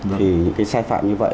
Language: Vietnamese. thì cái sai phạm như vậy